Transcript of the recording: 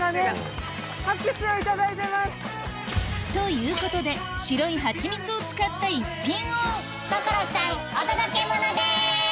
ということで白いハチミツを使った逸品を所さんお届けモノです！